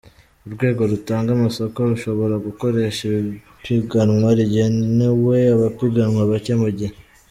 Urwego rutanga amasoko rushobora, gukoresha ipiganwa rigenewe abapiganwa bake mu gihe :